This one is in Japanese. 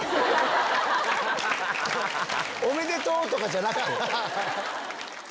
「おめでとう」とかじゃなかった。